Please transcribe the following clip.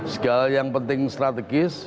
segala yang penting strategis